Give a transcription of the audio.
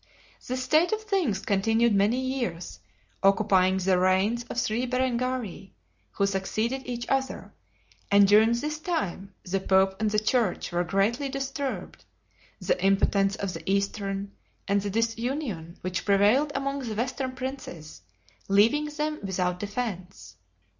This state of things continued many years, occupying the reigns of three Berengarii, who succeeded each other; and during this time the pope and the church were greatly disturbed; the impotence of the eastern, and the disunion which prevailed among the western princes, leaving them without defense.